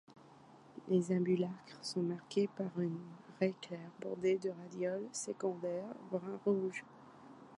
Les ambulacres sont marqués par une raie claire bordée de radioles secondaires brun-rouge.